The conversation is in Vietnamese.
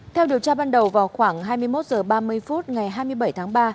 theo điều tra ban đầu vào khoảng hai mươi một h ba mươi phút ngày hai mươi bảy tháng ba